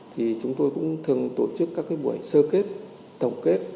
thì chúng tôi cũng thường tổ chức các buổi sơ kết tổng kết